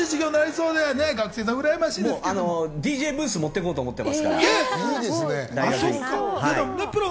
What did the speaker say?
ＤＪブースを持って行こうと思っています、大学に。